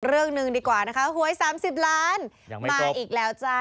เรื่องนึงดีกว่านะคะหวย๓๐ล้าน